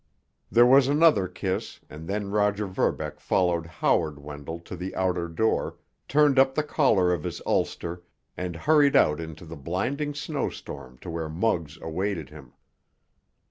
There was another kiss, and then Roger Verbeck followed Howard Wendell to the outer door, turned up the collar of his ulster, and hurried out into the blinding snowstorm to where Muggs awaited him.